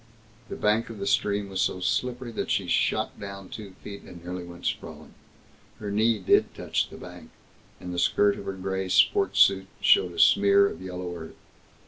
The bank of the stream was so slippery that she shot down two feet, and nearly went sprawling. Her knee did touch the bank, and the skirt of her gray sports suit showed a smear of yellow earth.